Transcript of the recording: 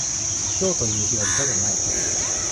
今日という日は二度とない。